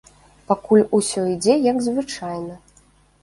Пакуль усё ідзе як звычайна.